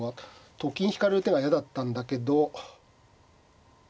と金引かれる手が嫌だったんだけど。